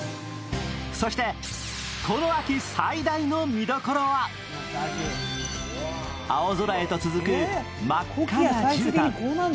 そして、この秋最大の見どころは青空へと続く真っ赤なじゅうたん。